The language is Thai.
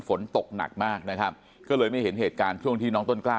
ฝนตกหนักมากนะครับก็เลยไม่เห็นเหตุการณ์ช่วงที่น้องต้นกล้า